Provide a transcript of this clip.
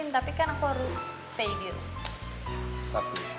tapi kan aku harus